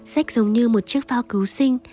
sách giống như một chiếc phao cứu sinh